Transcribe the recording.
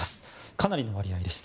かなりの割合です。